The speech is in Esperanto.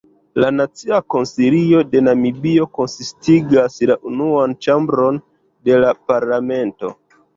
La Nacia Konsilio de Namibio konsistigas la unuan ĉambron de la parlamento.